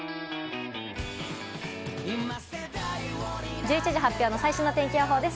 １１時発表の最新の天気予報です。